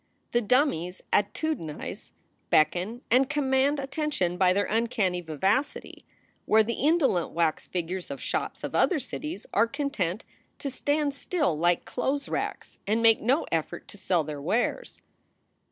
The dummies attitudinize, beckon, and command attention by their uncanny vivacity, where the indolent wax figures of shops of other cities are content to stand still like clothes racks and make no effort to sell their wares.